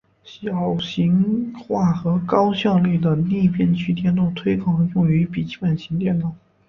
小型化和高效率的逆变器电路推广用于笔记型电脑。